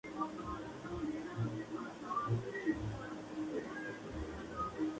Hamás dijo que Israel pagaría un "fuerte precio" por su muerte.